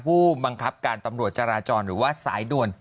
ผู้บังคับการตำรวจจราจรหรือว่าสายด่วน